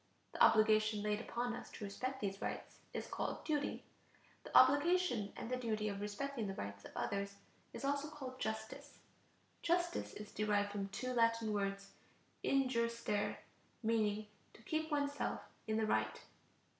The obligation laid upon us to respect these rights is called duty. The obligation and the duty of respecting the rights of others is also called justice. Justice is derived from two Latin words (in jure stare), meaning: to keep oneself in the right.